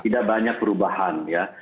tidak banyak perubahan ya